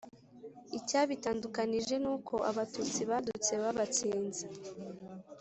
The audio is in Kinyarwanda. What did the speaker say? icyabitandukanije nuko abatutsi badutse babatsinze